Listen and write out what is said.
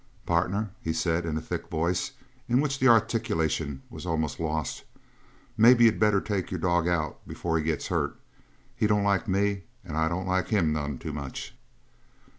"Partner," he said in a thick voice, in which the articulation was almost lost, "maybe you better take your dog out before he gets hurt. He don't like me and I don't like him none too much."